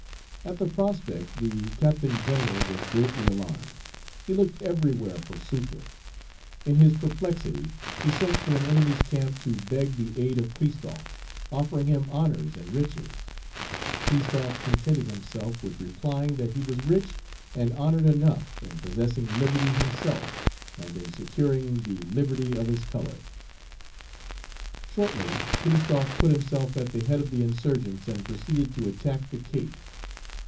At the prospect the Captain General was greatly alarmed. He looked everywhere for succor. In his perplexity, he sent to an enemy's camp to beg the aid of Christophe, offering him honors and riches. Christophe contented himself with replying that he was rich and honored enough in possessing liberty himself, and in securing the liberty of his color. Shortly, Christophe put himself at the head of the insurgents, and proceeded to attack the Cape.